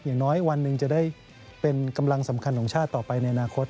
อย่างน้อยวันหนึ่งจะได้เป็นกำลังสำคัญของชาติต่อไปในอนาคต